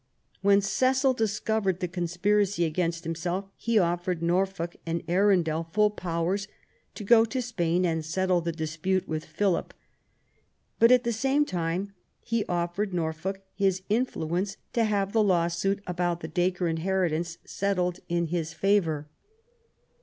When Cecil discovered the conspiracy against him self he offiered Norfolk and Arundel full powers to go to Spain and settle the dispute with Philip ; but, at the same time, he offered Norfolk his influence to have the lawsuit about the Dacre inheritance settled in his favour.